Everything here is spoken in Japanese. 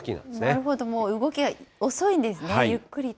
なるほど、動きが遅いんですね、ゆっくりと。